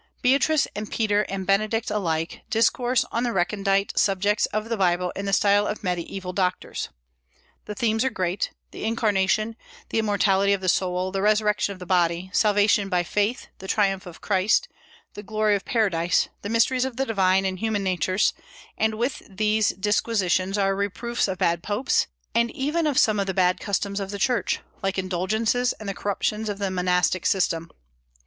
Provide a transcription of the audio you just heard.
Beatrice and Peter and Benedict alike discourse on the recondite subjects of the Bible in the style of Mediaeval doctors. The themes are great, the incarnation, the immortality of the soul, the resurrection of the body, salvation by faith, the triumph of Christ, the glory of Paradise, the mysteries of the divine and human natures; and with these disquisitions are reproofs of bad popes, and even of some of the bad customs of the Church, like indulgences, and the corruptions of the monastic system.